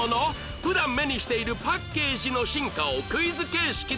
普段目にしているパッケージの進化をクイズ形式で